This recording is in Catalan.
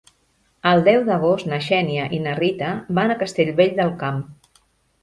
El deu d'agost na Xènia i na Rita van a Castellvell del Camp.